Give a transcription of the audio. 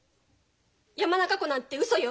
山中湖なんてうそよ。